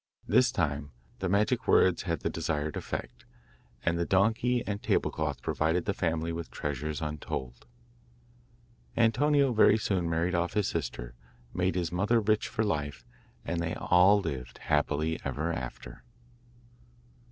This time the magic words had the desired effect, and the donkey and table cloth provided the family with treasures untold. Antonio very soon married off his sister, made his mother rich for life, and they all lived happily for ever after.